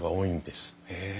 へえ。